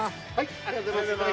ありがとうございます。